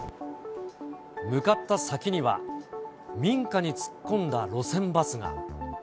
向かった先には、民家に突っ込んだ路線バスが。